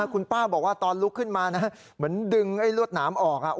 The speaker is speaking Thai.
คุณป้าบอกว่าตอนลุกขึ้นมานะเหมือนดึงไอ้ลวดหนามออก